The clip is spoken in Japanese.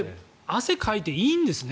汗をかいていいんですね